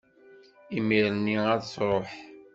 imir-nni ad-tṛuḥ.